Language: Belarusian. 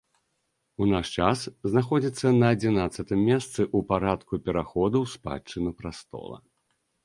У наш час знаходзіцца на адзінаццатым месцы ў парадку пераходу ў спадчыну прастола.